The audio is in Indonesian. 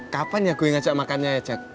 kapan ya gue ngajak makannya ajak